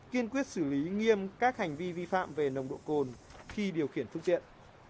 kiên quyết xử lý nghiêm các hành vi vi phạm về nồng độ cồn khi điều khiển phương tiện